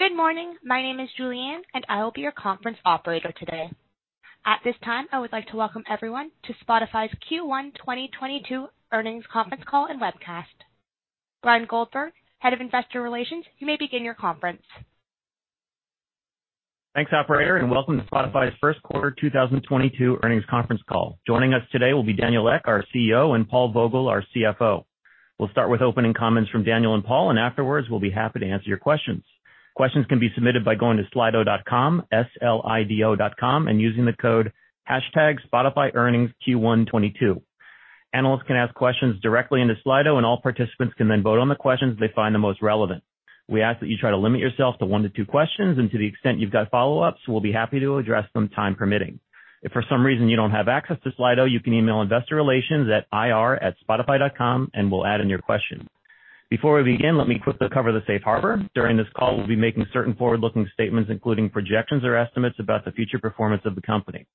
Good morning. My name is Julian, and I will be your conference operator today. At this time, I would like to welcome everyone to Spotify's Q1 2022 earnings conference call and webcast. Bryan Goldberg, Head of Investor Relations, you may begin your conference. Thanks, operator, and welcome to Spotify's Q1 2022 earnings conference call. Joining us today will be Daniel Ek, our CEO, and Paul Vogel, our CFO. We'll start with opening comments from Daniel and Paul, and afterwards we'll be happy to answer your questions. Questions can be submitted by going to Slido.com, S-L-I-D-O dot com, and using the code hashtag Spotify Earnings Q1 2022. Analysts can ask questions directly into Slido, and all participants can then vote on the questions they find the most relevant. We ask that you try to limit yourself to one to two questions and to the extent you've got follow-ups, we'll be happy to address them time permitting. If for some reason you don't have access to Slido, you can email investor relations at ir@spotify.com and we'll add in your question. Before we begin, let me quickly cover the safe harbor. During this call, we'll be making certain forward-looking statements, including projections or estimates about the future performance of the company.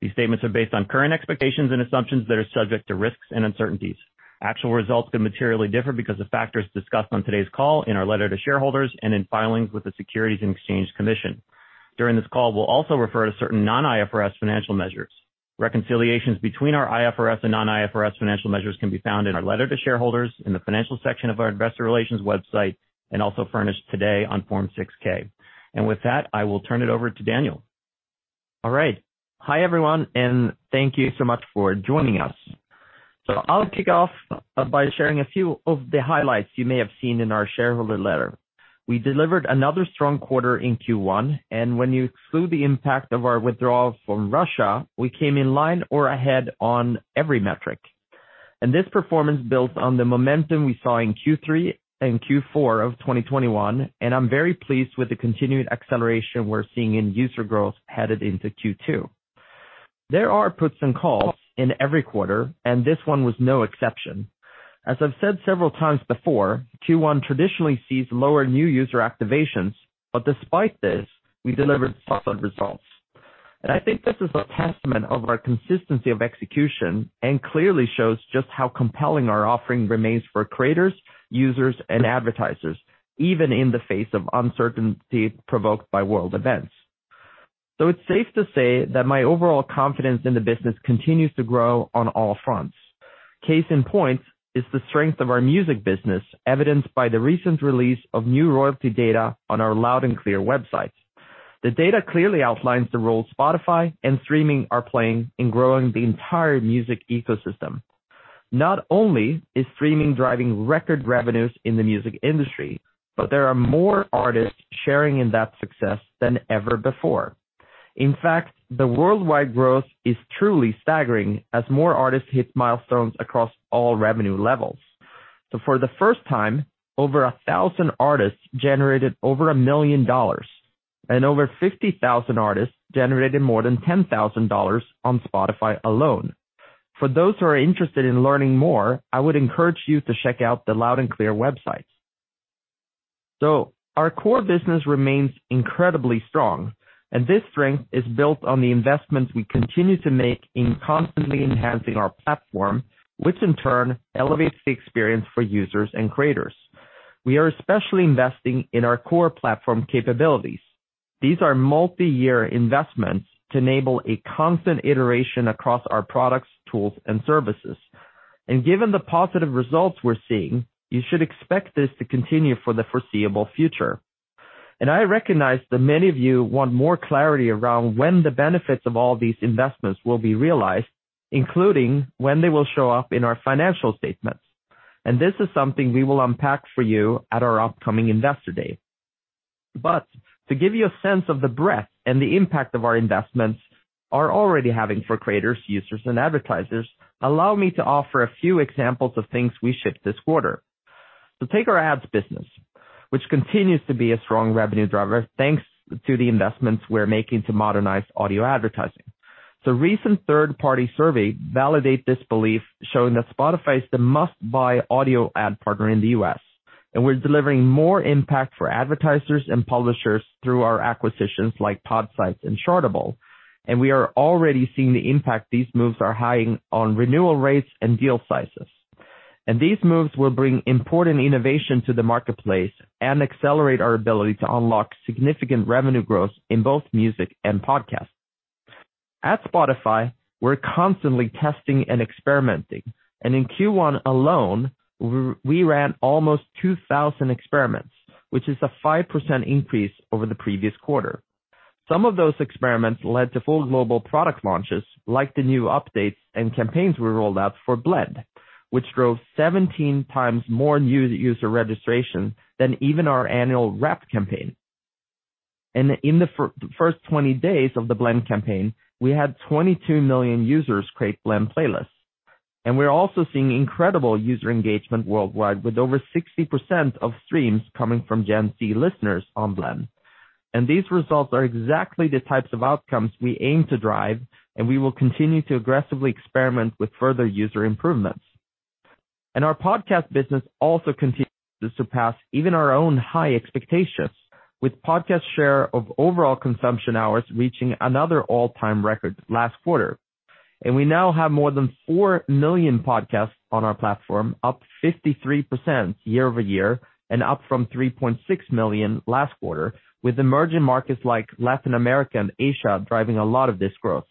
These statements are based on current expectations and assumptions that are subject to risks and uncertainties. Actual results could materially differ because of factors discussed on today's call, in our letter to shareholders, and in filings with the Securities and Exchange Commission. During this call, we'll also refer to certain non-IFRS financial measures. Reconciliations between our IFRS and non-IFRS financial measures can be found in our letter to shareholders in the financial section of our investor relations website and also furnished today on Form 6-K. With that, I will turn it over to Daniel. All right. Hi, everyone, and thank you so much for joining us. I'll kick off by sharing a few of the highlights you may have seen in our shareholder letter. We delivered another strong quarter in Q1, and when you exclude the impact of our withdrawal from Russia, we came in line or ahead on every metric. This performance builds on the momentum we saw in Q3 and Q4 of 2021. I'm very pleased with the continued acceleration we're seeing in user growth headed into Q2. There are puts and calls in every quarter, and this one was no exception. As I've said several times before, Q1 traditionally sees lower new user activations. Despite this, we delivered solid results. I think this is a testament of our consistency of execution and clearly shows just how compelling our offering remains for creators, users, and advertisers, even in the face of uncertainty provoked by world events. It's safe to say that my overall confidence in the business continues to grow on all fronts. Case in point is the strength of our music business, evidenced by the recent release of new royalty data on our Loud & Clear website. The data clearly outlines the role Spotify and streaming are playing in growing the entire music ecosystem. Not only is streaming driving record revenues in the music industry, but there are more artists sharing in that success than ever before. In fact, the worldwide growth is truly staggering as more artists hit milestones across all revenue levels. For the first time, over 1,000 artists generated over $1 million and over 50,000 artists generated more than $10,000 on Spotify alone. For those who are interested in learning more, I would encourage you to check out the Loud & Clear website. Our core business remains incredibly strong, and this strength is built on the investments we continue to make in constantly enhancing our platform, which in turn elevates the experience for users and creators. We are especially investing in our core platform capabilities. These are multi-year investments to enable a constant iteration across our products, tools, and services. Given the positive results we're seeing, you should expect this to continue for the foreseeable future. I recognize that many of you want more clarity around when the benefits of all these investments will be realized, including when they will show up in our financial statements. This is something we will unpack for you at our upcoming investor day. To give you a sense of the breadth and the impact of our investments are already having for creators, users, and advertisers, allow me to offer a few examples of things we shipped this quarter. Take our ads business, which continues to be a strong revenue driver thanks to the investments we're making to modernize audio advertising. Recent third-party surveys validate this belief, showing that Spotify is the must-buy audio ad partner in the U.S., and we're delivering more impact for advertisers and publishers through our acquisitions like Podsights and Chartable. We are already seeing the impact these moves are having on renewal rates and deal sizes. These moves will bring important innovation to the Marketplace and accelerate our ability to unlock significant revenue growth in both music and podcasts. At Spotify, we're constantly testing and experimenting, and in Q1 alone, we ran almost 2,000 experiments, which is a 5% increase over the previous quarter. Some of those experiments led to full global product launches, like the new updates and campaigns we rolled out for Blend, which drove 17 times more new user registration than even our annual Wrapped campaign. In the first 20 days of the Blend campaign, we had 22 million users create Blend playlists. We're also seeing incredible user engagement worldwide, with over 60% of streams coming from Gen Z listeners on Blend. These results are exactly the types of outcomes we aim to drive, and we will continue to aggressively experiment with further user improvements. Our podcast business also continues to surpass even our own high expectations, with podcast share of overall consumption hours reaching another all-time record last quarter. We now have more than four million podcasts on our platform, up 53% year-over-year and up from 3.6 million last quarter, with emerging markets like Latin America and Asia driving a lot of this growth.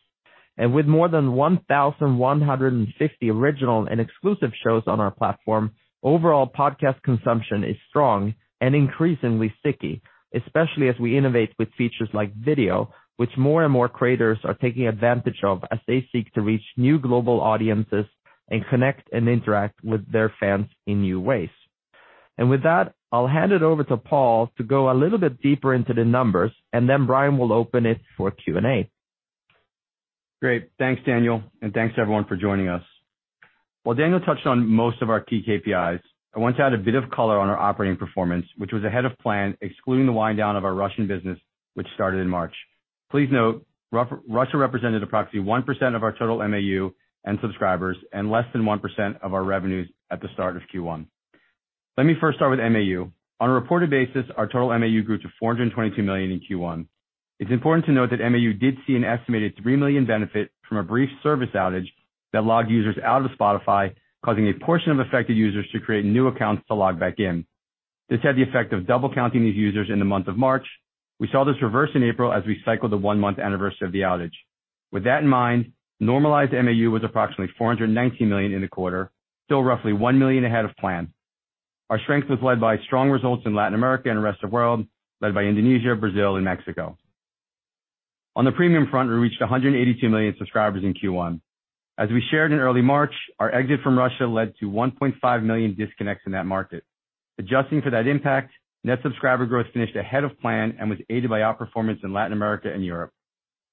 With more than 1,150 original and exclusive shows on our platform, overall podcast consumption is strong and increasingly sticky, especially as we innovate with features like video, which more and more creators are taking advantage of as they seek to reach new global audiences and connect and interact with their fans in new ways. With that, I'll hand it over to Paul to go a little bit deeper into the numbers, and then Bryan will open it for Q&A. Great. Thanks, Daniel, and thanks everyone for joining us. While Daniel touched on most of our key KPIs, I want to add a bit of color on our operating performance, which was ahead of plan, excluding the wind down of our Russian business, which started in March. Please note, Russia represented approximately 1% of our total MAU and subscribers and less than 1% of our revenues at the start of Q1. Let me first start with MAU. On a reported basis, our total MAU grew to 422 million in Q1. It's important to note that MAU did see an estimated three million benefit from a brief service outage that logged users out of Spotify, causing a portion of affected users to create new accounts to log back in. This had the effect of double counting these users in the month of March. We saw this reverse in April as we cycled the one-month anniversary of the outage. With that in mind, normalized MAU was approximately 419 million in the quarter, still roughly one million ahead of plan. Our strength was led by strong results in Latin America and the rest of world, led by Indonesia, Brazil, and Mexico. On the premium front, we reached 182 million subscribers in Q1. As we shared in early March, our exit from Russia led to 1.5 million disconnects in that market. Adjusting for that impact, net subscriber growth finished ahead of plan and was aided by outperformance in Latin America and Europe.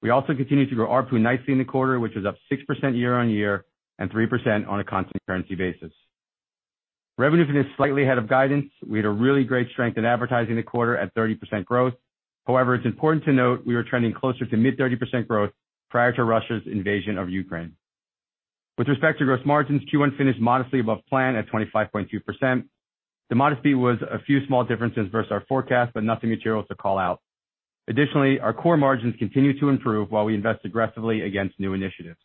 We also continued to grow ARPU nicely in the quarter, which was up 6% year-over-year and 3% on a constant currency basis. Revenue finished slightly ahead of guidance. We had a really great strength in advertising the quarter at 30% growth. However, it's important to note we were trending closer to mid-30% growth prior to Russia's invasion of Ukraine. With respect to gross margins, Q1 finished modestly above plan at 25.2%. The modesty was a few small differences versus our forecast, but nothing material to call out. Additionally, our core margins continue to improve while we invest aggressively against new initiatives.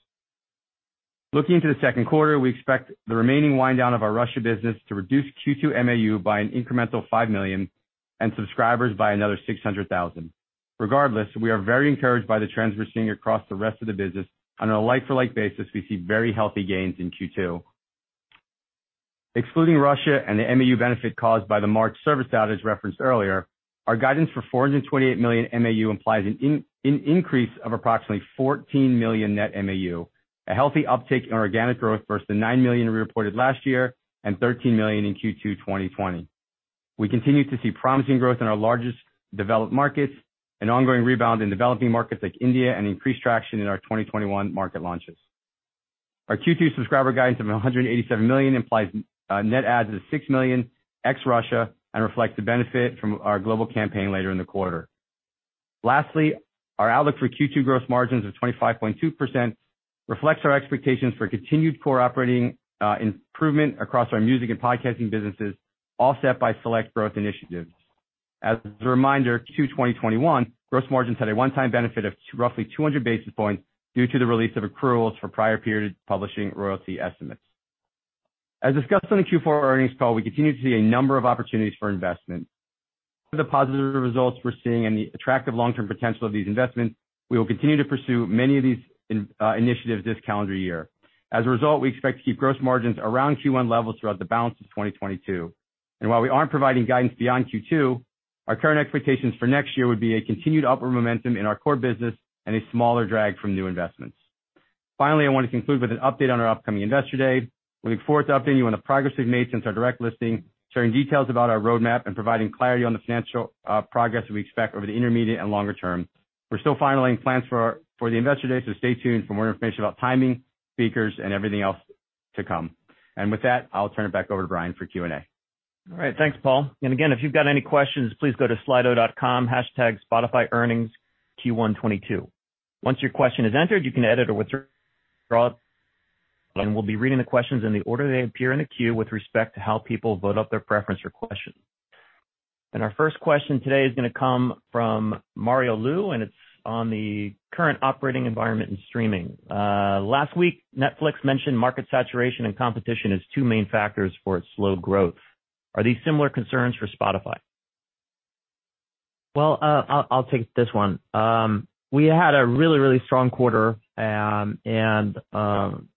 Looking into the Q2, we expect the remaining wind down of our Russia business to reduce Q2 MAU by an incremental five million and subscribers by another 600,000. Regardless, we are very encouraged by the trends we're seeing across the rest of the business. On a like-for-like basis, we see very healthy gains in Q2. Excluding Russia and the MAU benefit caused by the March service outage referenced earlier, our guidance for 428 million MAU implies an increase of approximately 14 million net MAU, a healthy uptick in organic growth versus the nine million we reported last year and 13 million in Q2 2020. We continue to see promising growth in our largest developed markets, an ongoing rebound in developing markets like India, and increased traction in our 2021 market launches. Our Q2 subscriber guidance of 187 million implies net adds of six million ex Russia and reflects the benefit from our global campaign later in the quarter. Lastly, our outlook for Q2 gross margins of 25.2% reflects our expectations for continued core operating improvement across our music and podcasting businesses, offset by select growth initiatives. As a reminder, Q2 2021 gross margins had a one-time benefit of roughly 200 basis points due to the release of accruals for prior period publishing royalty estimates. As discussed on the Q4 earnings call, we continue to see a number of opportunities for investment. The positive results we're seeing and the attractive long-term potential of these investments, we will continue to pursue many of these in initiatives this calendar year. As a result, we expect to keep gross margins around Q1 levels throughout the balance of 2022. While we aren't providing guidance beyond Q2, our current expectations for next year would be a continued upward momentum in our core business and a smaller drag from new investments. Finally, I want to conclude with an update on our upcoming Investor Day. Looking forward to updating you on the progress we've made since our direct listing, sharing details about our roadmap, and providing clarity on the financial progress we expect over the intermediate and longer term. We're still finalizing plans for the Investor Day, so stay tuned for more information about timing, speakers, and everything else to come. With that, I'll turn it back over to Brian for Q&A. All right. Thanks, Paul. Again, if you've got any questions, please go to Slido.com #SpotifyEarningsQ122. Once your question is entered, you can edit or withdraw. We'll be reading the questions in the order they appear in the queue with respect to how people vote up their preference or question. Our first question today is gonna come from Mario Lu, and it's on the current operating environment in streaming. Last week, Netflix mentioned market saturation and competition as two main factors for its slow growth. Are these similar concerns for Spotify? Well, I'll take this one. We had a really strong quarter.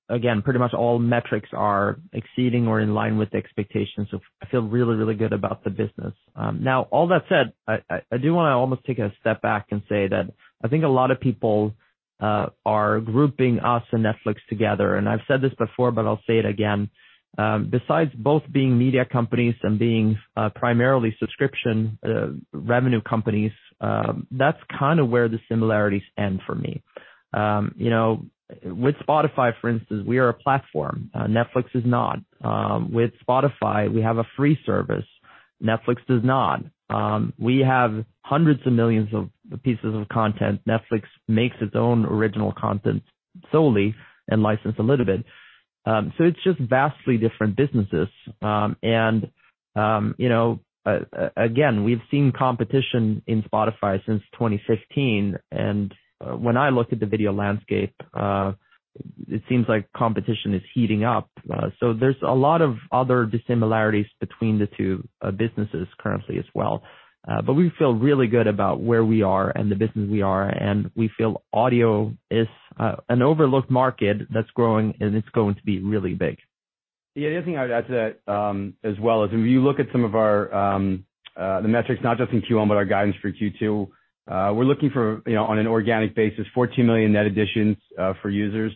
Again, pretty much all metrics are exceeding or in line with the expectations, so I feel really good about the business. Now, all that said, I do wanna almost take a step back and say that I think a lot of people are grouping us and Netflix together, and I've said this before, but I'll say it again. Besides both being media companies and being primarily subscription revenue companies, that's kind of where the similarities end for me. You know, with Spotify, for instance, we are a platform, Netflix is not. With Spotify, we have a free service, Netflix does not. We have hundreds of millions of pieces of content. Netflix makes its own original content solely and licenses a little bit. It's just vastly different businesses. You know, again, we've seen competition in Spotify since 2015. When I look at the video landscape, it seems like competition is heating up. There's a lot of other dissimilarities between the two businesses currently as well. We feel really good about where we are and the business we are, and we feel audio is an overlooked market that's growing, and it's going to be really big. The other thing I would add to that, as well is when you look at some of our, the metrics, not just in Q1, but our guidance for Q2, we're looking for, you know, on an organic basis, 14 million net additions, for users.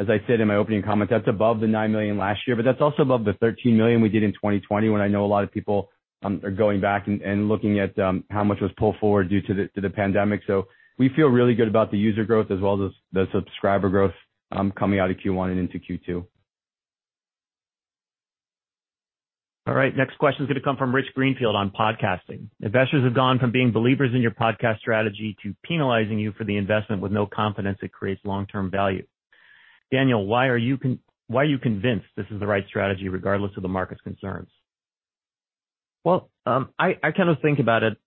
As I said in my opening comments, that's above the nine million last year, but that's also above the 13 million we did in 2020, when I know a lot of people, are going back and looking at, how much was pulled forward due to the pandemic. We feel really good about the user growth as well as the subscriber growth, coming out of Q1 and into Q2. All right. Next question is gonna come from Rich Greenfield on podcasting. Investors have gone from being believers in your podcast strategy to penalizing you for the investment with no confidence it creates long-term value. Daniel, why are you convinced this is the right strategy, regardless of the market's concerns? Well, I kind of think about it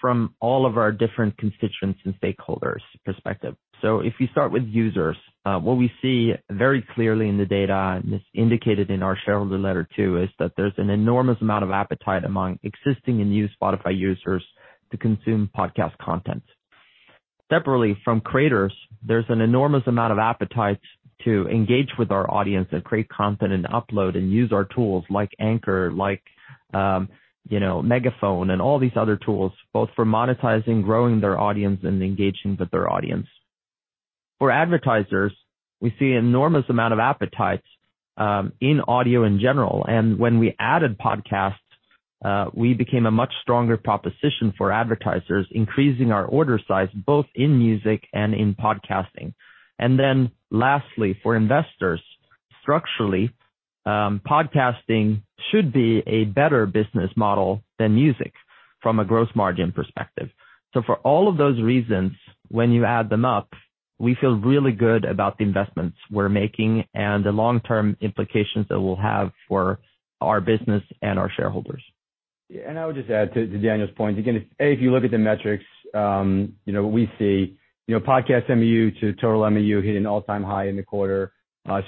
from all of our different constituents' and stakeholders' perspective. If you start with users, what we see very clearly in the data, and it's indicated in our shareholder letter too, is that there's an enormous amount of appetite among existing and new Spotify users to consume podcast content. Separately, from creators, there's an enormous amount of appetite to engage with our audience and create content and upload and use our tools like Anchor, like, Megaphone and all these other tools, both for monetizing, growing their audience and engaging with their audience. For advertisers, we see enormous amount of appetite in audio in general, and when we added podcasts, we became a much stronger proposition for advertisers, increasing our order size both in music and in podcasting. Lastly, for investors, structurally, podcasting should be a better business model than music from a gross margin perspective. For all of those reasons, when you add them up, we feel really good about the investments we're making and the long-term implications that we'll have for our business and our shareholders. Yeah. I would just add to Daniel's point. Again, if you look at the metrics, you know, we see, you know, podcast MAU to total MAU hit an all-time high in the quarter.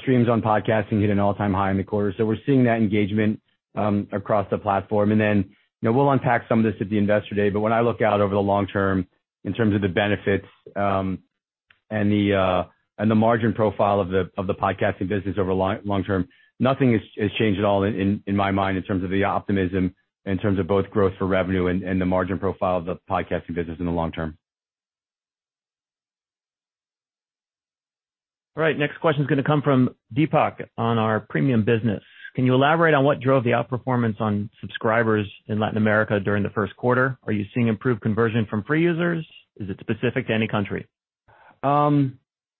Streams on podcasting hit an all-time high in the quarter. We're seeing that engagement across the platform. Then, you know, we'll unpack some of this at the investor day, but when I look out over the long term in terms of the benefits and the margin profile of the podcasting business over long term, nothing has changed at all in my mind in terms of the optimism in terms of both growth for revenue and the margin profile of the podcasting business in the long term. All right. Next question is gonna come from Deepak on our premium business. Can you elaborate on what drove the outperformance on subscribers in Latin America during the Q1? Are you seeing improved conversion from free users? Is it specific to any country?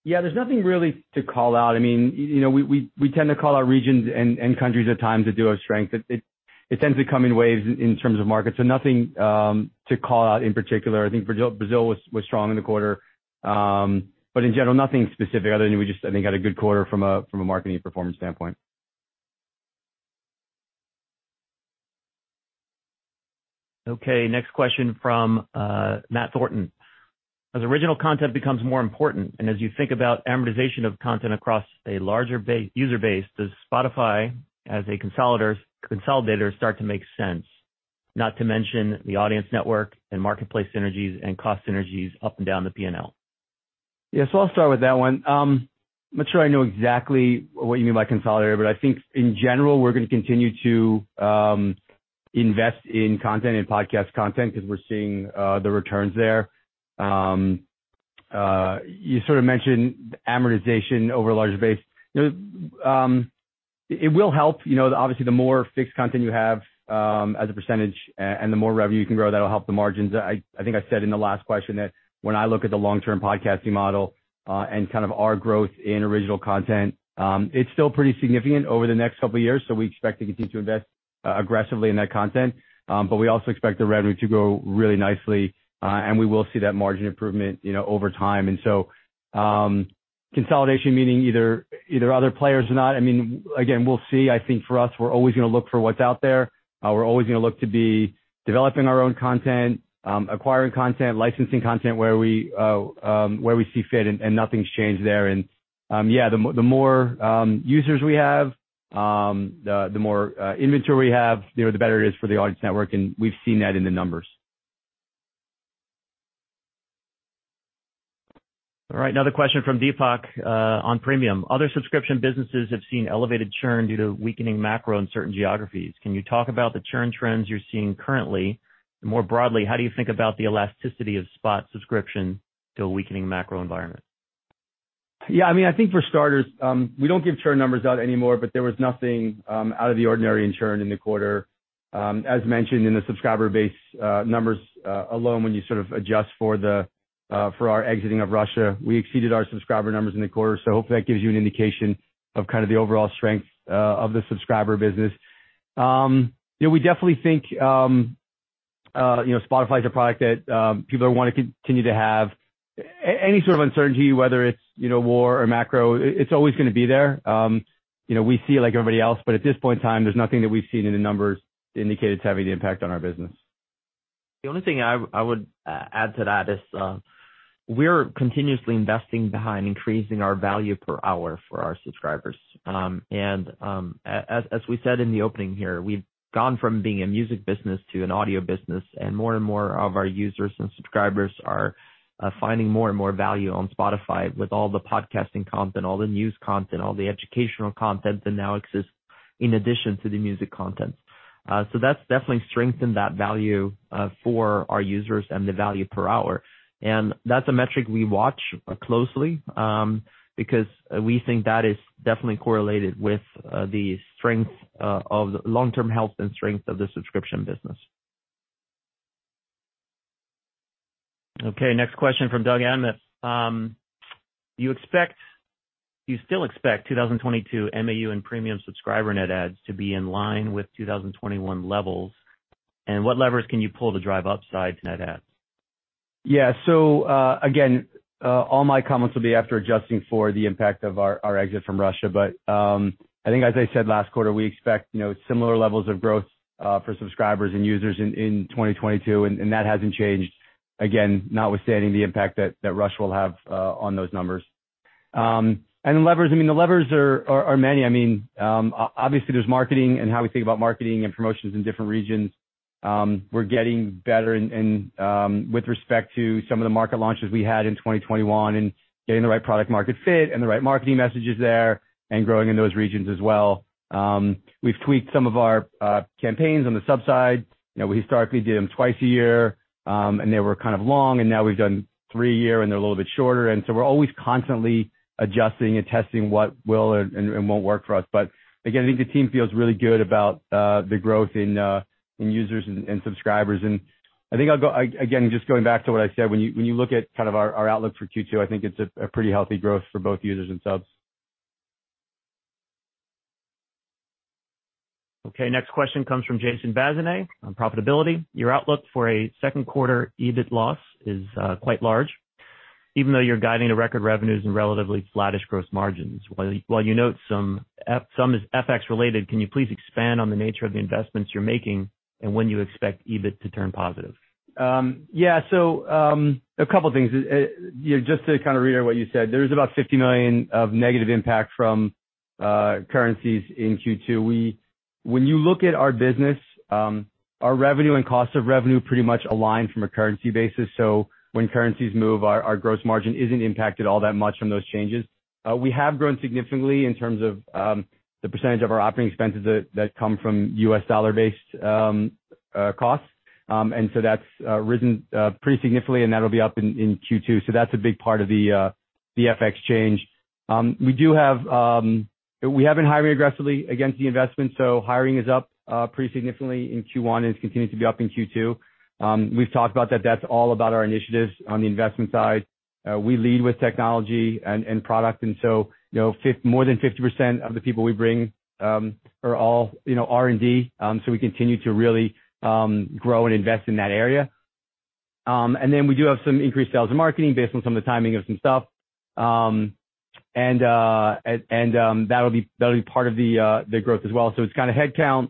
Yeah, there's nothing really to call out. I mean, you know, we tend to call out regions and countries at times that do have strength. It tends to come in waves in terms of markets. Nothing to call out in particular. I think Brazil was strong in the quarter. In general, nothing specific other than we just, I think, had a good quarter from a marketing performance standpoint. Okay. Next question from Matt Thornton. As original content becomes more important, and as you think about amortization of content across a larger user base, does Spotify as a consolidator start to make sense, not to mention the audience network and marketplace synergies and cost synergies up and down the P&L? Yeah. I'll start with that one. I'm not sure I know exactly what you mean by consolidator, but I think in general, we're gonna continue to invest in content, in podcast content, because we're seeing the returns there. You sort of mentioned amortization over a larger base. You know, it will help. You know, obviously, the more fixed content you have as a percentage and the more revenue you can grow, that'll help the margins. I think I said in the last question that when I look at the long-term podcasting model and kind of our growth in original content, it's still pretty significant over the next couple of years, so we expect to continue to invest aggressively in that content. We also expect the revenue to grow really nicely, and we will see that margin improvement, you know, over time. Consolidation meaning either other players or not, I mean, again, we'll see. I think for us, we're always gonna look for what's out there. We're always gonna look to be developing our own content, acquiring content, licensing content where we see fit and nothing's changed there. Yeah, the more users we have, the more inventory we have, you know, the better it is for the audience network, and we've seen that in the numbers. All right, another question from Deepak on Premium. Other subscription businesses have seen elevated churn due to weakening macro in certain geographies. Can you talk about the churn trends you're seeing currently? More broadly, how do you think about the elasticity of Spotify subscription to a weakening macro environment? Yeah. I mean, I think for starters, we don't give churn numbers out anymore, but there was nothing out of the ordinary in churn in the quarter. As mentioned in the subscriber base numbers alone, when you sort of adjust for our exiting of Russia, we exceeded our subscriber numbers in the quarter. Hopefully, that gives you an indication of kind of the overall strength of the subscriber business. You know, we definitely think you know, Spotify is a product that people want to continue to have. Any sort of uncertainty, whether it's you know, war or macro, it's always gonna be there. You know, we see it like everybody else, but at this point in time, there's nothing that we've seen in the numbers to indicate it's having any impact on our business. The only thing I would add to that is we're continuously investing behind increasing our value per hour for our subscribers. As we said in the opening here, we've gone from being a music business to an audio business, and more and more of our users and subscribers are finding more and more value on Spotify with all the podcasting content, all the news content, all the educational content that now exists in addition to the music content. So that's definitely strengthened that value for our users and the value per hour. That's a metric we watch closely because we think that is definitely correlated with the strength of the long-term health and strength of the subscription business. Okay. Next question from Doug Anmuth. Do you still expect 2022 MAU and Premium subscriber net adds to be in line with 2021 levels? And what levers can you pull to drive upside net adds? Yeah. Again, all my comments will be after adjusting for the impact of our exit from Russia. I think as I said last quarter, we expect, you know, similar levels of growth for subscribers and users in 2022, and that hasn't changed, again, notwithstanding the impact that Russia will have on those numbers. Levers, I mean, the levers are many. I mean, obviously, there's marketing and how we think about marketing and promotions in different regions. We're getting better in with respect to some of the market launches we had in 2021 and getting the right product market fit and the right marketing messages there and growing in those regions as well. We've tweaked some of our campaigns on the sub side. You know, we historically did them twice a year, and they were kind of long, and now we've done three a year, and they're a little bit shorter. We're always constantly adjusting and testing what will and won't work for us. Again, I think the team feels really good about the growth in users and subscribers. I think again, just going back to what I said, when you look at kind of our outlook for Q2, I think it's a pretty healthy growth for both users and subs. Okay. Next question comes from Jason Bazinet on profitability. Your outlook for a Q2 EBIT loss is quite large, even though you're guiding to record revenues and relatively flattish gross margins. While you note some is FX-related, can you please expand on the nature of the investments you're making and when you expect EBIT to turn positive? Yeah. A couple things. You know, just to kind of reiterate what you said, there is about 50 million of negative impact from currencies in Q2. When you look at our business, our revenue and cost of revenue pretty much align from a currency basis. When currencies move, our gross margin isn't impacted all that much from those changes. We have grown significantly in terms of the percentage of our operating expenses that come from U.S. dollar-based costs. That's risen pretty significantly, and that'll be up in Q2. That's a big part of the FX change. We have been hiring aggressively against the investment, so hiring is up pretty significantly in Q1 and has continued to be up in Q2. We've talked about that. That's all about our initiatives on the investment side. We lead with technology and product. You know, more than 50% of the people we bring are all, you know, R&D. We continue to really grow and invest in that area. We do have some increased sales and marketing based on some of the timing of some stuff. That'll be part of the growth as well. It's kind of headcount,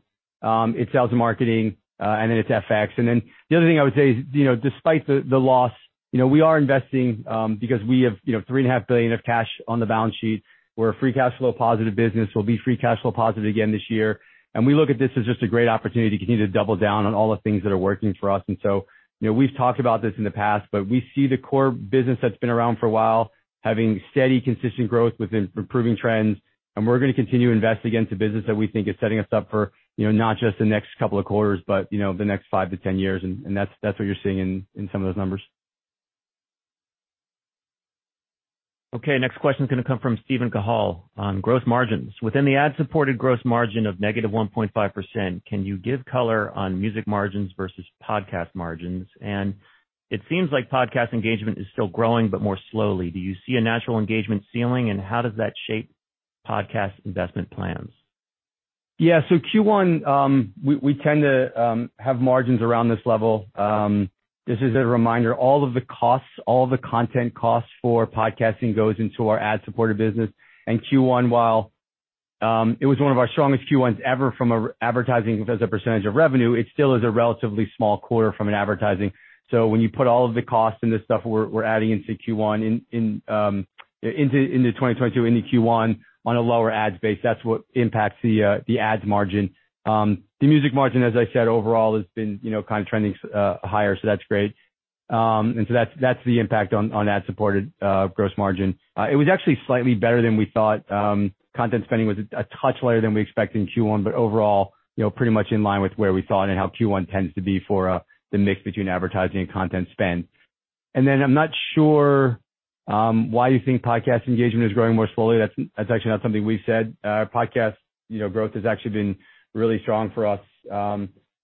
it's sales and marketing, and then it's FX. The other thing I would say is, you know, despite the loss, you know, we are investing because we have, you know, 3.5 billion of cash on the balance sheet. We're a free cash flow positive business. We'll be free cash flow positive again this year. We look at this as just a great opportunity to continue to double down on all the things that are working for us. You know, we've talked about this in the past, but we see the core business that's been around for a while having steady, consistent growth with improving trends. We're gonna continue to invest against a business that we think is setting us up for, you know, not just the next couple of quarters, but, you know, the next five-10 years. That's what you're seeing in some of those numbers. Okay. Next question's gonna come from Steven Cahall on growth margins. Within the ad-supported gross margin of -1.5%, can you give color on music margins versus podcast margins? It seems like podcast engagement is still growing, but more slowly. Do you see a natural engagement ceiling, and how does that shape podcast investment plans? Yeah. Q1, we tend to have margins around this level. Just as a reminder, all of the costs, all the content costs for podcasting goes into our ad-supported business. Q1, while it was one of our strongest Q1s ever from advertising as a percentage of revenue, it still is a relatively small quarter from an advertising. When you put all of the costs and the stuff we're adding into Q1 in 2022, into Q1 on a lower ads base, that's what impacts the ads margin. The music margin, as I said, overall has been, you know, kind of trending higher, so that's great. That's the impact on ad-supported gross margin. It was actually slightly better than we thought. Content spending was a touch lighter than we expected in Q1, but overall, you know, pretty much in line with where we thought and how Q1 tends to be for the mix between advertising and content spend. I'm not sure why you think podcast engagement is growing more slowly. That's actually not something we've said. Our podcast, you know, growth has actually been really strong for us.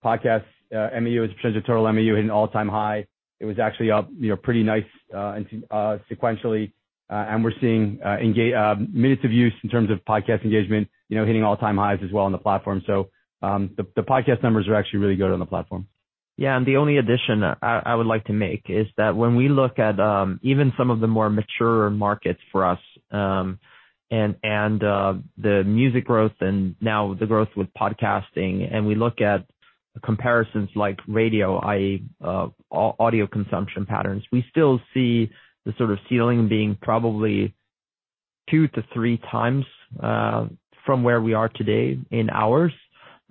Podcasts MAU as a percentage of total MAU hitting an all-time high. It was actually up, you know, pretty nice sequentially. We're seeing minutes of use in terms of podcast engagement, you know, hitting all-time highs as well on the platform. The podcast numbers are actually really good on the platform. Yeah, the only addition I would like to make is that when we look at even some of the more mature markets for us, and the music growth and now the growth with podcasting, and we look at comparisons like radio, i.e., audio consumption patterns, we still see the sort of ceiling being probably two to three times from where we are today in hours.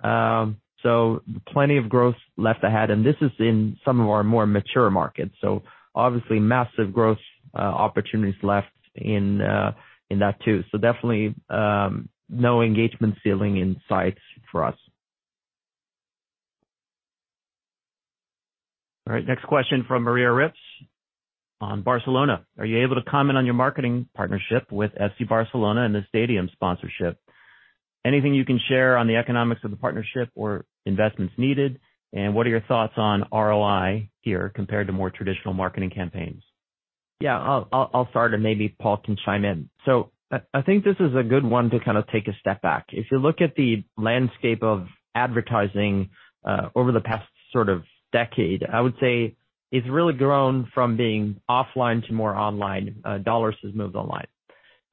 Plenty of growth left ahead. This is in some of our more mature markets. Obviously massive growth opportunities left in that too. Definitely no engagement ceiling in sight for us. All right. Next question from Maria Ripps on Barcelona. Are you able to comment on your marketing partnership with FC Barcelona and the stadium sponsorship? Anything you can share on the economics of the partnership or investments needed, and what are your thoughts on ROI here compared to more traditional marketing campaigns? Yeah. I'll start, and maybe Paul can chime in. I think this is a good one to kind of take a step back. If you look at the landscape of advertising over the past sort of decade, I would say it's really grown from being offline to more online. Dollars has moved online.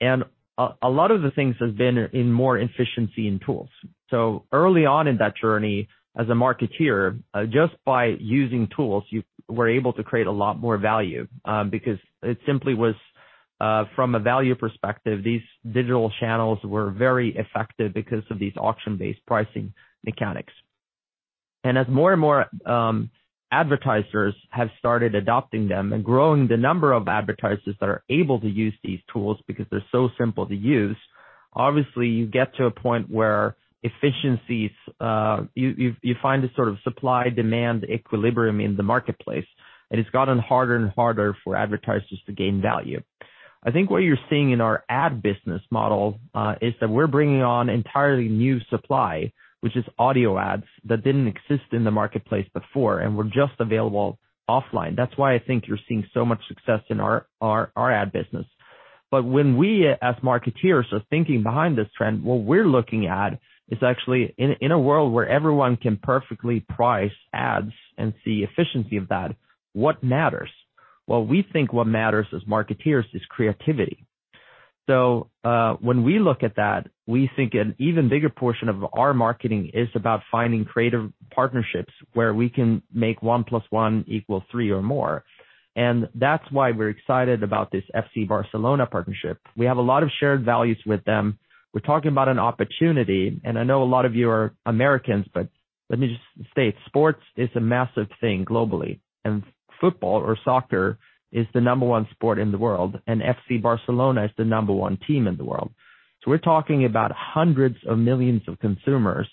A lot of the things has been in more efficiency and tools. Early on in that journey, as a marketer, just by using tools, you were able to create a lot more value because it simply was from a value perspective, these digital channels were very effective because of these auction-based pricing mechanics. As more and more advertisers have started adopting them and growing the number of advertisers that are able to use these tools because they're so simple to use, obviously you get to a point where efficiencies, you find this sort of supply-demand equilibrium in the marketplace, and it's gotten harder and harder for advertisers to gain value. I think what you're seeing in our ad business model is that we're bringing on entirely new supply, which is audio ads that didn't exist in the marketplace before and were just available offline. That's why I think you're seeing so much success in our ad business. When we as marketeers are thinking behind this trend, what we're looking at is actually in a world where everyone can perfectly price ads and see efficiency of that, what matters? Well, we think what matters as marketeers is creativity. When we look at that, we think an even bigger portion of our marketing is about finding creative partnerships where we can make one plus one equal three or more. That's why we're excited about this FC Barcelona partnership. We have a lot of shared values with them. We're talking about an opportunity. I know a lot of you are Americans, but let me just state, sports is a massive thing globally, and football or soccer is the number one sport in the world, and FC Barcelona is the number one team in the world. We're talking about hundreds of millions of consumers.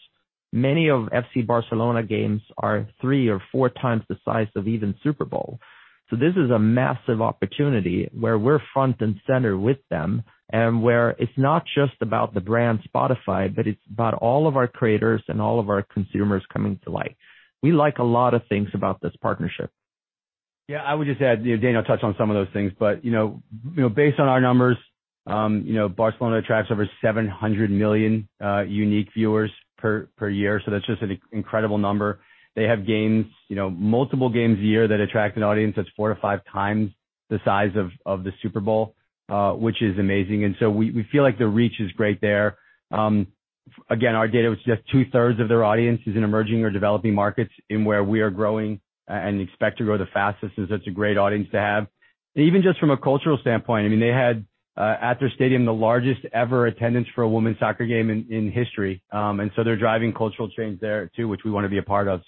Many of FC Barcelona games are three or four times the size of even Super Bowl. This is a massive opportunity where we're front and center with them, and where it's not just about the brand Spotify, but it's about all of our creators and all of our consumers coming to life. We like a lot of things about this partnership. Yeah. I would just add, you know, Daniel touched on some of those things, but, you know, based on our numbers, you know, Barcelona attracts over 700 million unique viewers per year, so that's just an incredible number. They have games, you know, multiple games a year that attract an audience that's four to five times the size of the Super Bowl, which is amazing. We feel like the reach is great there. Again, our data was just two-thirds of their audience is in emerging or developing markets in where we are growing and expect to grow the fastest. It's such a great audience to have. Even just from a cultural standpoint, I mean, they had at their stadium, the largest ever attendance for a women's soccer game in history. They're driving cultural change there too, which we wanna be a part of.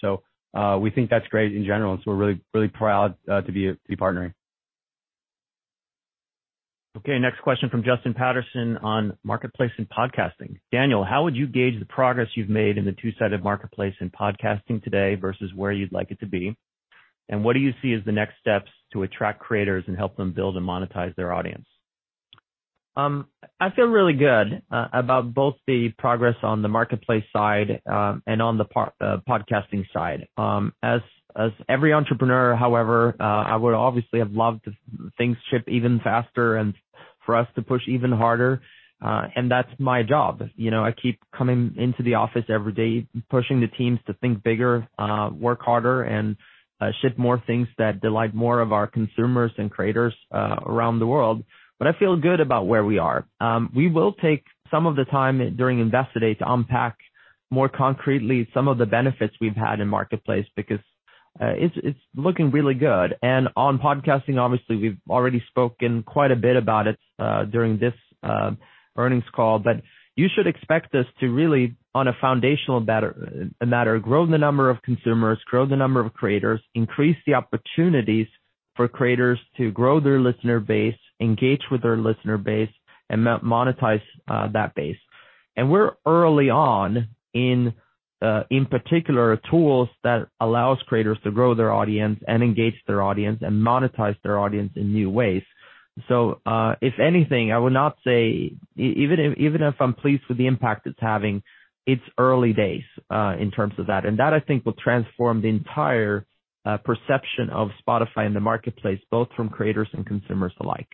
We think that's great in general, so we're really, really proud to be partnering. Okay. Next question from Justin Patterson on marketplace and podcasting. Daniel, how would you gauge the progress you've made in the two-sided marketplace in podcasting today versus where you'd like it to be? And what do you see as the next steps to attract creators and help them build and monetize their audience? I feel really good about both the progress on the marketplace side, and on the podcasting side. As every entrepreneur, however, I would obviously have loved things ship even faster and for us to push even harder. That's my job. You know, I keep coming into the office every day, pushing the teams to think bigger, work harder and, ship more things that delight more of our consumers and creators, around the world. I feel good about where we are. We will take some of the time during Investor Day to unpack more concretely some of the benefits we've had in marketplace because it's looking really good. On podcasting, obviously, we've already spoken quite a bit about it during this earnings call, but you should expect us to really, on a foundational matter, grow the number of consumers, grow the number of creators, increase the opportunities for creators to grow their listener base, engage with their listener base, and monetize that base. We're early on in particular tools that allows creators to grow their audience and engage their audience and monetize their audience in new ways. If anything, I would not say even if I'm pleased with the impact it's having, it's early days in terms of that. That, I think, will transform the entire perception of Spotify in the marketplace, both from creators and consumers alike.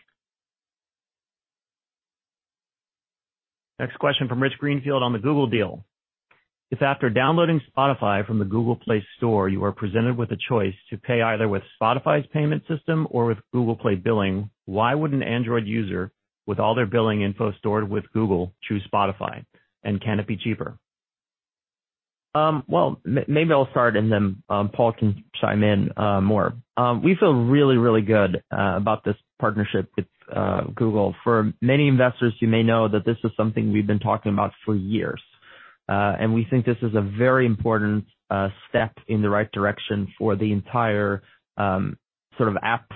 Next question from Rich Greenfield on the Google deal. If after downloading Spotify from the Google Play Store, you are presented with a choice to pay either with Spotify's payment system or with Google Play billing, why would an Android user with all their billing info stored with Google choose Spotify? Can it be cheaper? Well, maybe I'll start and then Paul can chime in more. We feel really good about this partnership with Google. For many investors, you may know that this is something we've been talking about for years. We think this is a very important step in the right direction for the entire sort of app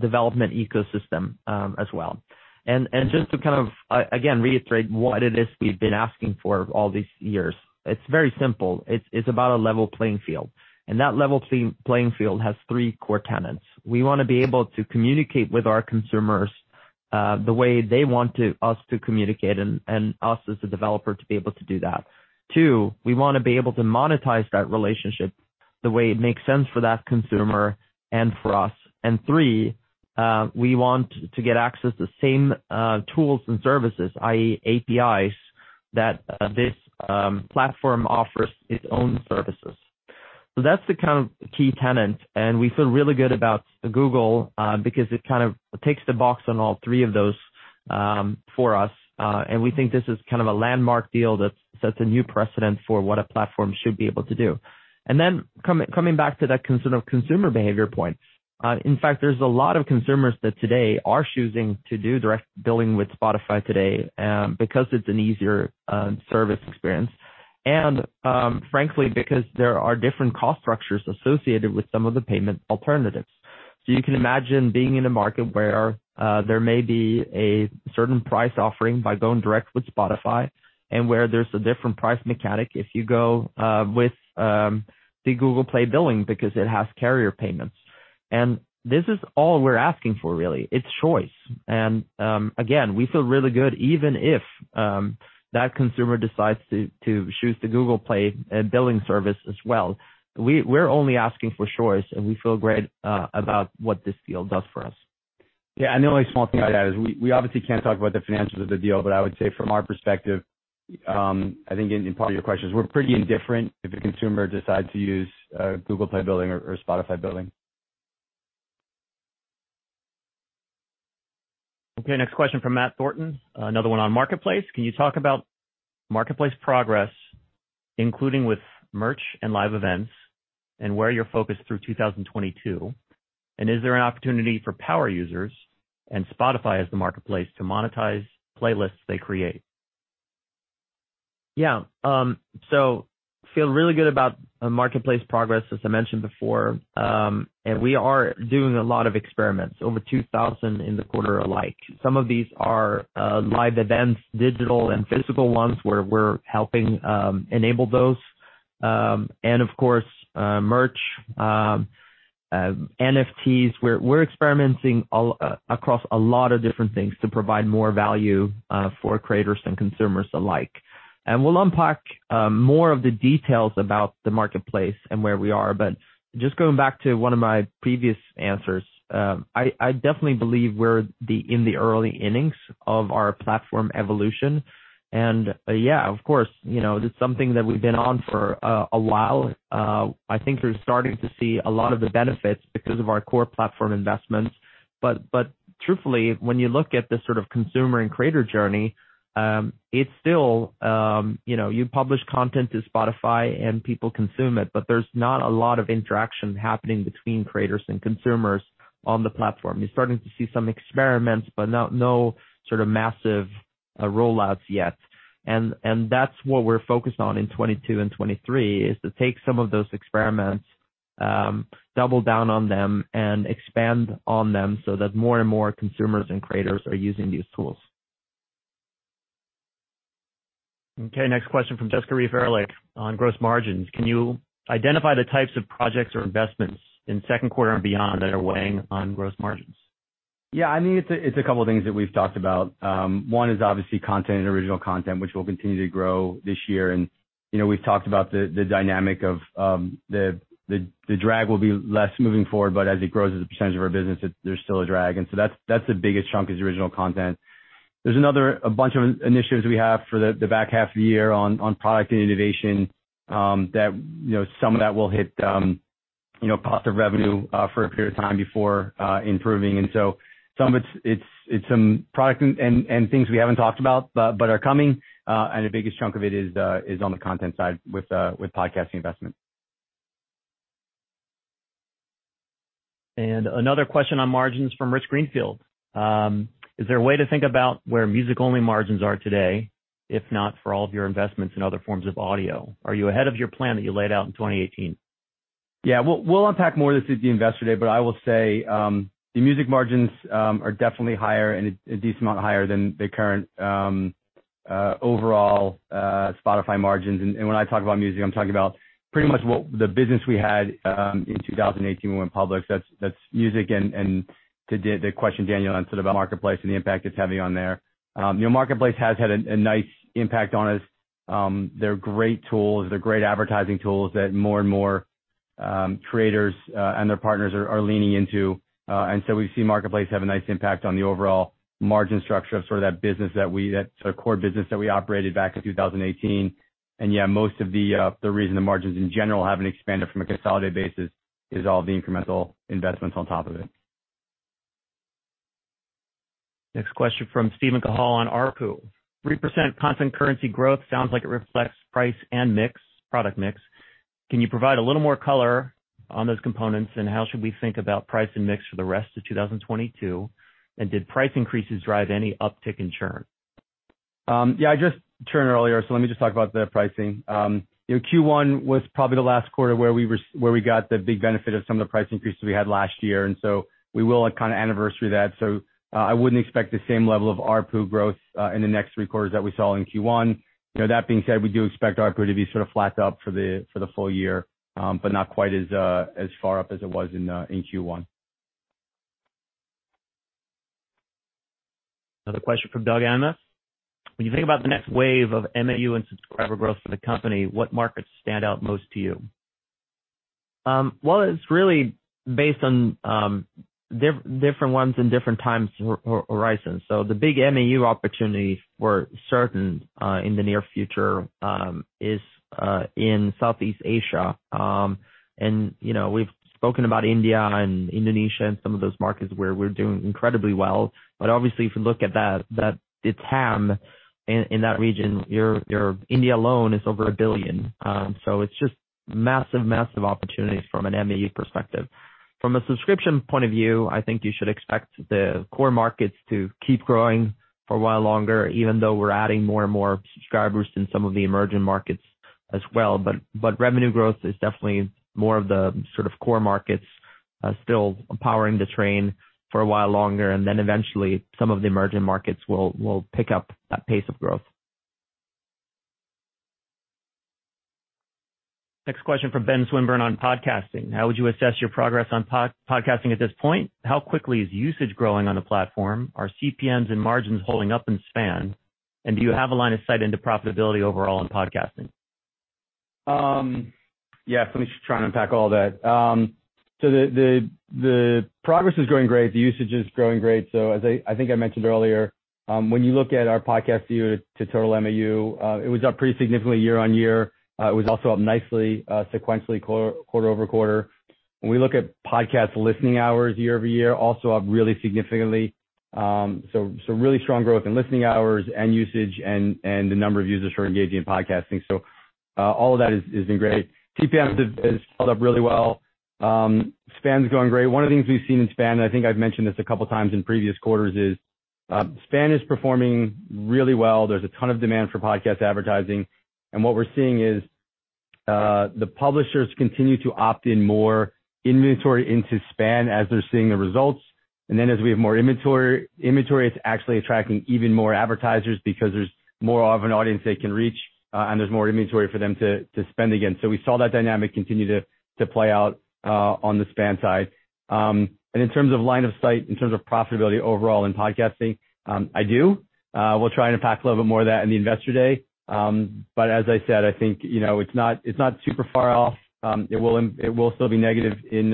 development ecosystem as well. Just to kind of again reiterate what it is we've been asking for all these years, it's very simple. It's about a level playing field. That level playing field has three core tenets. We wanna be able to communicate with our consumers the way they want to us to communicate and us as a developer to be able to do that. Two, we wanna be able to monetize that relationship the way it makes sense for that consumer and for us. Three, we want to get access to the same tools and services, i.e. APIs, that this platform offers its own services. That's the kind of key tenet, and we feel really good about Google because it kind of ticks the box on all three of those for us. We think this is kind of a landmark deal that sets a new precedent for what a platform should be able to do. Coming back to that consumer behavior point. In fact, there's a lot of consumers that today are choosing to do direct billing with Spotify today because it's an easier service experience. Frankly, because there are different cost structures associated with some of the payment alternatives. You can imagine being in a market where there may be a certain price offering by going direct with Spotify and where there's a different price mechanic if you go with the Google Play billing because it has carrier payments. This is all we're asking for really. It's choice. Again, we feel really good even if that consumer decides to choose the Google Play billing service as well. We're only asking for choice, and we feel great about what this deal does for us. Yeah. The only small thing I'd add is we obviously can't talk about the financials of the deal, but I would say from our perspective, I think in part of your questions, we're pretty indifferent if a consumer decides to use Google Play billing or Spotify billing. Okay. Next question from Matt Thornton, another one on Marketplace. Can you talk about Marketplace progress, including with merch and live events and where you're focused through 2022? And is there an opportunity for power users and Spotify as the Marketplace to monetize playlists they create? Yeah. So feel really good about Marketplace progress, as I mentioned before. We are doing a lot of experiments, over 2,000 in the quarter alike. Some of these are live events, digital and physical ones, where we're helping enable those. Of course, merch, NFTs. We're experimenting across a lot of different things to provide more value for creators and consumers alike. We'll unpack more of the details about the Marketplace and where we are, but just going back to one of my previous answers, I definitely believe we're in the early innings of our platform evolution. Yeah, of course, you know, it is something that we've been on for a while. I think we're starting to see a lot of the benefits because of our core platform investments. Truthfully, when you look at the sort of consumer and creator journey, it's still, you know, you publish content to Spotify and people consume it, but there's not a lot of interaction happening between creators and consumers on the platform. You're starting to see some experiments, but no sort of massive rollouts yet. That's what we're focused on in 2022 and 2023, is to take some of those experiments, double down on them and expand on them so that more and more consumers and creators are using these tools. Okay. Next question from Jessica Reif Ehrlich on gross margins. Can you identify the types of projects or investments in Q2 and beyond that are weighing on gross margins? Yeah. I mean, it's a couple of things that we've talked about. One is obviously content and original content, which will continue to grow this year. You know, we've talked about the dynamic of the drag will be less moving forward, but as it grows as a percentage of our business, there's still a drag. That's the biggest chunk is original content. There's another a bunch of initiatives we have for the back half of the year on product and innovation, that you know, some of that will hit you know, cost of revenue, for a period of time before improving. Some of it's some product and things we haven't talked about but are coming. The biggest chunk of it is on the content side with podcasting investment. Another question on margins from Rich Greenfield. Is there a way to think about where music-only margins are today, if not for all of your investments in other forms of audio? Are you ahead of your plan that you laid out in 2018? Yeah. We'll unpack more of this at the Investor Day, but I will say the music margins are definitely higher and a decent amount higher than the current overall Spotify margins. When I talk about music, I'm talking about pretty much what the business we had in 2018 when we went public. That's music and to the question, Daniel, sort of about Marketplace and the impact it's having on there. You know, Marketplace has had a nice impact on us. They're great tools. They're great advertising tools that more and more creators and their partners are leaning into. We see Marketplace have a nice impact on the overall margin structure of sort of that business that we, that sort of core business that we operated back in 2018. Yeah, most of the reason the margins in general haven't expanded from a consolidated basis is all the incremental investments on top of it. Next question from Steven Cahall on ARPU. 3% constant currency growth sounds like it reflects price and mix, product mix. Can you provide a little more color on those components? How should we think about price and mix for the rest of 2022? Did price increases drive any uptick in churn? Yeah, I just churned earlier, so let me just talk about the pricing. You know, Q1 was probably the last quarter where we got the big benefit of some of the price increases we had last year. We will kind of anniversary that. I wouldn't expect the same level of ARPU growth in the next three quarters that we saw in Q1. You know, that being said, we do expect ARPU to be sort of flat to up for the full year, but not quite as far up as it was in Q1. Another question from Doug Anmuth. When you think about the next wave of MAU and subscriber growth for the company, what markets stand out most to you? Well, it's really based on different ones and different time horizons. The big MAU opportunities we're seeing in the near future is in Southeast Asia. You know, we've spoken about India and Indonesia and some of those markets where we're doing incredibly well. Obviously, if you look at that, the TAM in that region, in India alone is over a billion. It's just massive opportunities from an MAU perspective. From a subscription point of view, I think you should expect the core markets to keep growing for a while longer, even though we're adding more and more subscribers in some of the emerging markets as well. Revenue growth is definitely more from the sort of core markets still powering the train for a while longer. Eventually, some of the emerging markets will pick up that pace of growth. Next question from Ben Swinburne on podcasting. How would you assess your progress on podcasting at this point? How quickly is usage growing on the platform? Are CPMs and margins holding up in SPAN? And do you have a line of sight into profitability overall in podcasting? Yeah, let me just try and unpack all that. The progress is growing great. The usage is growing great. As I think I mentioned earlier, when you look at our podcast view to total MAU, it was up pretty significantly year-on-year. It was also up nicely, sequentially quarter-over-quarter. When we look at podcast listening hours year-over-year, also up really significantly. Really strong growth in listening hours and usage and the number of users who are engaging in podcasting. All of that has been great. CPMs have held up really well. Span's growing great. One of the things we've seen in Span, and I think I've mentioned this a couple times in previous quarters, is Span is performing really well. There's a ton of demand for podcast advertising. What we're seeing is, the publishers continue to opt in more inventory into Span as they're seeing the results. As we have more inventory, it's actually attracting even more advertisers because there's more of an audience they can reach, and there's more inventory for them to spend against. We saw that dynamic continue to play out on the Span side. In terms of line of sight, in terms of profitability overall in podcasting, we'll try and unpack a little bit more of that in the Investor Day. As I said, I think, you know, it's not super far off. It will still be negative in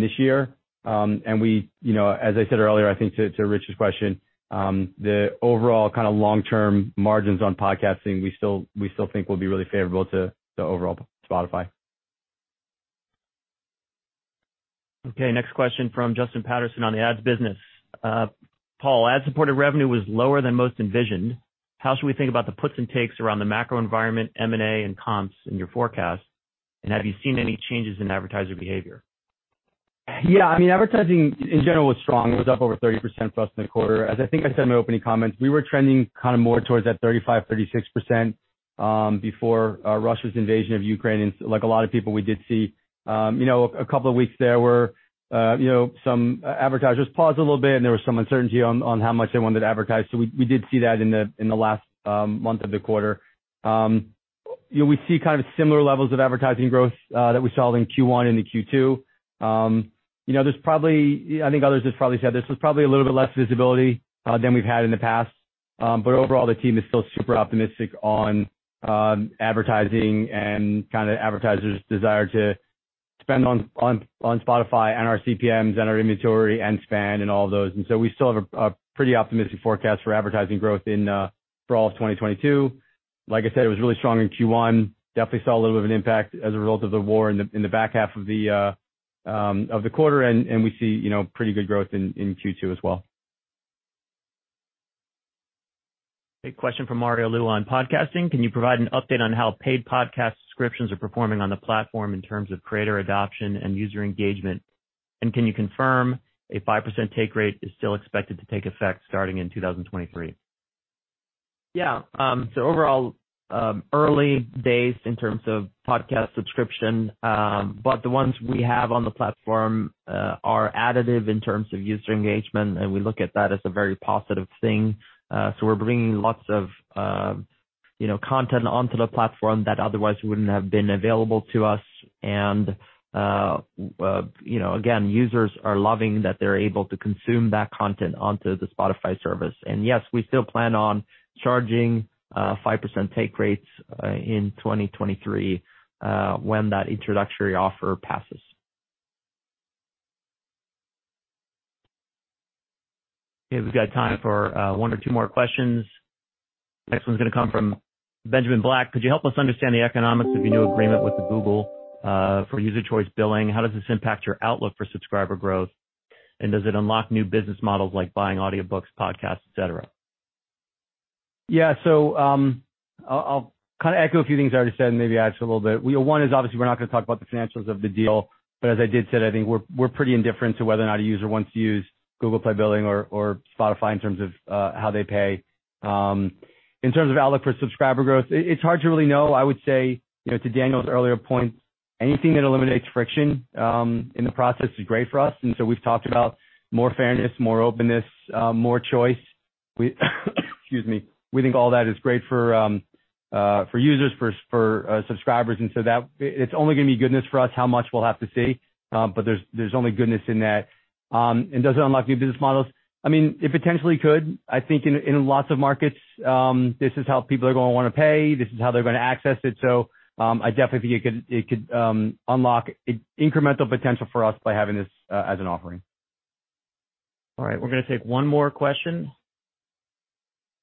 this year. We, you know, as I said earlier, I think to Rich's question, the overall kind of long-term margins on podcasting, we still think will be really favorable to overall Spotify. Okay. Next question from Justin Patterson on the ads business. Paul, ad-supported revenue was lower than most envisioned. How should we think about the puts and takes around the macro environment, M&A, and comps in your forecast? And have you seen any changes in advertiser behavior? Yeah. I mean, advertising in general was strong. It was up over 30% for us in the quarter. As I think I said in my opening comments, we were trending kind of more towards that 35%-36%, before Russia's invasion of Ukraine. Like a lot of people, we did see, you know, a couple of weeks where, you know, some advertisers paused a little bit, and there was some uncertainty on how much they wanted to advertise. We did see that in the last month of the quarter. You know, we see kind of similar levels of advertising growth that we saw in Q1 into Q2. You know, there's probably. I think others have probably said this. There's probably a little bit less visibility than we've had in the past. Overall, the team is still super optimistic on advertising and kind of advertisers' desire to spend on Spotify and our CPMs and our inventory and SPAN and all those. We still have a pretty optimistic forecast for advertising growth for all of 2022. Like I said, it was really strong in Q1. Definitely saw a little bit of an impact as a result of the war in the back half of the quarter. We see, you know, pretty good growth in Q2 as well. A question from Mario Lu, podcasting. Can you provide an update on how paid podcast subscriptions are performing on the platform in terms of creator adoption and user engagement? Can you confirm a 5% take rate is still expected to take effect starting in 2023? Yeah. Overall, early days in terms of podcast subscription. The ones we have on the platform are additive in terms of user engagement, and we look at that as a very positive thing. We're bringing lots of, you know, content onto the platform that otherwise wouldn't have been available to us. You know, again, users are loving that they're able to consume that content onto the Spotify service. Yes, we still plan on charging 5% take rates in 2023, when that introductory offer passes. Okay. We've got time for one or two more questions. Next one's gonna come from Benjamin Black. Could you help us understand the economics of your new agreement with Google for user choice billing? How does this impact your outlook for subscriber growth? And does it unlock new business models like buying audiobooks, podcasts, et cetera? Yeah. I'll kind of echo a few things I already said and maybe add just a little bit. One is obviously we're not gonna talk about the financials of the deal, but as I just said, I think we're pretty indifferent to whether or not a user wants to use Google Play billing or Spotify in terms of how they pay. In terms of outlook for subscriber growth, it's hard to really know. I would say, you know, to Daniel's earlier point, anything that eliminates friction in the process is great for us. We've talked about more fairness, more openness, more choice. We think all that is great for users, for subscribers, and so that's only gonna be goodness for us. How much we'll have to see, but there's only goodness in that. Does it unlock new business models? I mean, it potentially could. I think in lots of markets, this is how people are gonna wanna pay. This is how they're gonna access it. I definitely think it could unlock incremental potential for us by having this as an offering. All right. We're gonna take one more question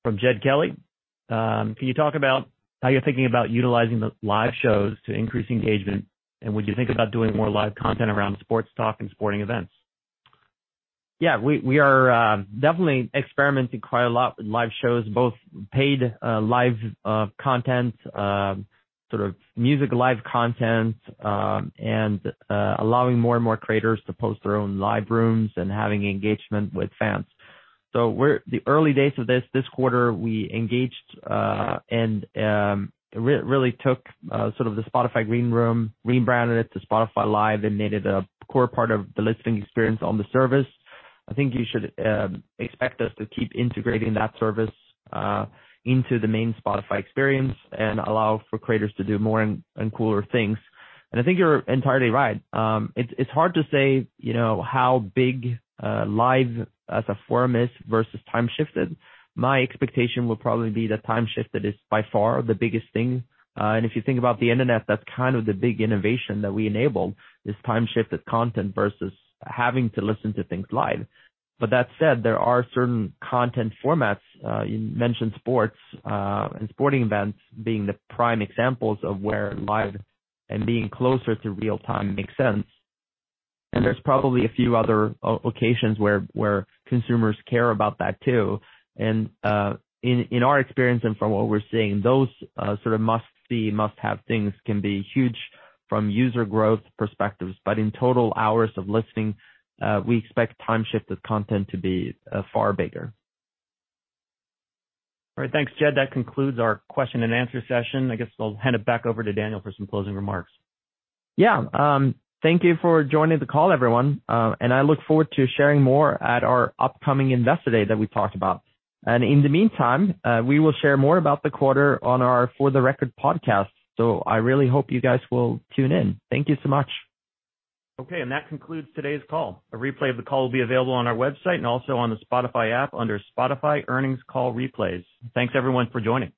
from Jed Kelly. Can you talk about how you're thinking about utilizing the live shows to increase engagement, and would you think about doing more live content around sports talk and sporting events? Yeah. We are definitely experimenting quite a lot with live shows, both paid live content, sort of music live content, and allowing more and more creators to post their own live rooms and having engagement with fans. The early days of this quarter we engaged and really took sort of the Spotify Greenroom, rebranded it to Spotify Live and made it a core part of the listening experience on the service. I think you should expect us to keep integrating that service into the main Spotify experience and allow for creators to do more and cooler things. I think you're entirely right. It's hard to say, you know, how big live as a form is versus time-shifted. My expectation would probably be that time-shifted is by far the biggest thing. If you think about the internet, that's kind of the big innovation that we enabled, is time-shifted content versus having to listen to things live. That said, there are certain content formats, you mentioned sports, and sporting events being the prime examples of where live and being closer to real-time makes sense. There's probably a few other locations where consumers care about that too. In our experience and from what we're seeing, those sort of must-see, must-have things can be huge from user growth perspectives. In total hours of listening, we expect time-shifted content to be far bigger. All right. Thanks, Jed. That concludes our question and answer session. I guess I'll hand it back over to Daniel for some closing remarks. Yeah. Thank you for joining the call, everyone, and I look forward to sharing more at our upcoming investor day that we talked about. In the meantime, we will share more about the quarter on our For the Record podcast. I really hope you guys will tune in. Thank you so much. Okay, that concludes today's call. A replay of the call will be available on our website and also on the Spotify app under Spotify Earnings Call Replays. Thanks, everyone, for joining.